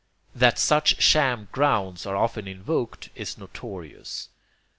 That such sham grounds are often invoked is notorious.